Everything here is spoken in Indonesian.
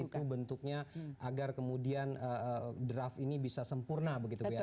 itu bentuknya agar kemudian draft ini bisa sempurna begitu ya